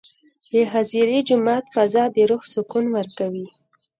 د خضري جومات فضا د روح سکون ورکوي.